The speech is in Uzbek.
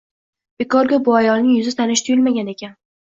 Bekorga bu ayolning yuzi tanish tuyulmagan ekan